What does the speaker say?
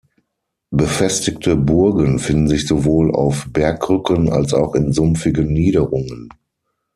Befestigte Burgen finden sich sowohl auf Bergrücken als auch in sumpfigen Niederungen.